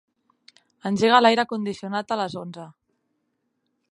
Engega l'aire condicionat a les onze.